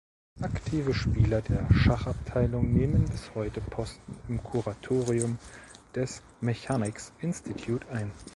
Aktive Spieler der Schachabteilung nehmen bis heute Posten im Kuratorium des Mechanics’ Institute ein.